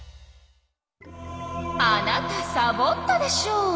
あなたサボったでしょ！